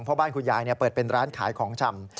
เพราะบ้านคุณยายเปิดเป็นร้านขายของชำ